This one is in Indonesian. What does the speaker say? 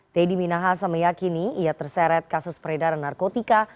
teddy minahasa meyakini ia terseret kasus peredaran narkotika